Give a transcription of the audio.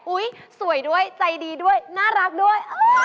สวยด้วยใจดีด้วยน่ารักด้วย